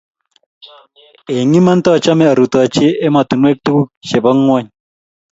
Eng' iman taachame arutochi emotunwek tukuk chepo ng'ony